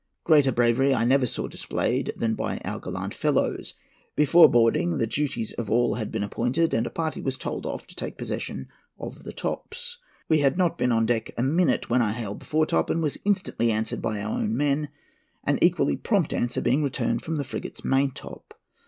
Greater bravery I never saw displayed than by our gallant fellows. Before boarding, the duties of all had been appointed, and a party was told off to take possession of the tops. We had not been on deck a minute, when I hailed the foretop, and was instantly answered by our own men, an equally prompt answer being returned from the frigate's main top.